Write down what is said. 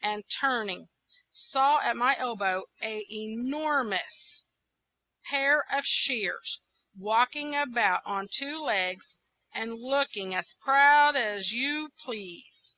and turning, saw at my elbow an enormous pair of shears, walking about on two legs, and looking as proud as you please.